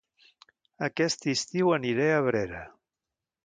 Aquest estiu aniré a Abrera